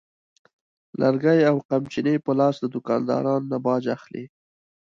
لرګي او قمچینې په لاس د دوکاندارانو نه باج اخلي.